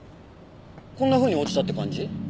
こんなふうに落ちたって感じ？